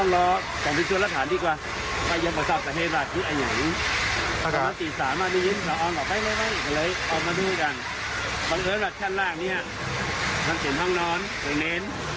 ล่างเสร็จห้องนอนเขียนเลน